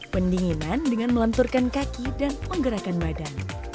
pendinginan dengan melenturkan kaki dan menggerakkan badan